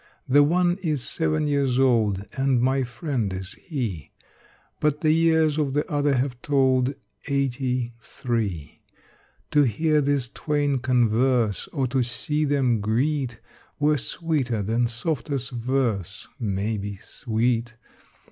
The one is seven years old, And my friend is he: But the years of the other have told Eighty three. To hear these twain converse Or to see them greet Were sweeter than softest verse May be sweet.